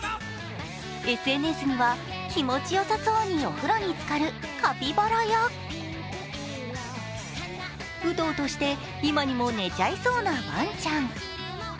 ＳＮＳには、気持ちよさそうにお風呂につかるカピバラやウトウトして、今にも寝ちゃいそうなワンちゃん。